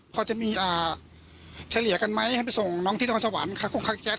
พอจะมีอ่าเฉลี่ยกันไหมให้ไปส่งน้องที่นครสวรรค์ครับคุณครักษ์แก๊ส